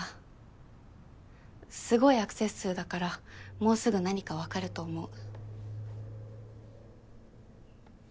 すごいアクセス数だからもうすぐ何かわかると思う。